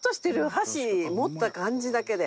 箸持った感じだけで。